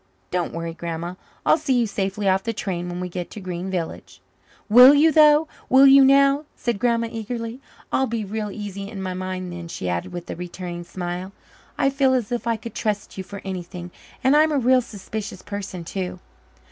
"Don't worry, Grandma. I'll see you safely off the train when we get to Green Village." "Will you, though? Will you, now?" said Grandma eagerly. "I'll be real easy in my mind, then," she added with a returning smile. "I feel as if I could trust you for anything and I'm a real suspicious person too."